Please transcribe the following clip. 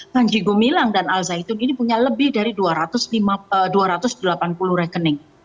panji gumilang dan al zaitun ini punya lebih dari dua ratus delapan puluh rekening